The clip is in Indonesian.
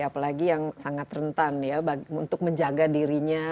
apalagi yang sangat rentan ya untuk menjaga dirinya